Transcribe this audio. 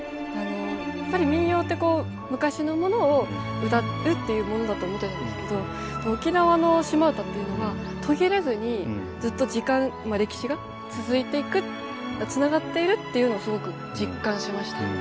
やっぱり民謡ってこう昔のものを歌うっていうものだと思ってたんですけど沖縄の島唄っていうのは途切れずにずっと時間歴史が続いていくつながっているっていうのをすごく実感しました。